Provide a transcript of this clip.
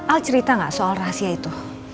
al cerita nggak soal rahasia itu